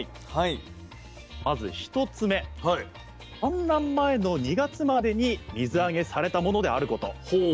まず１つ目産卵前の２月までに水揚げされたものであること。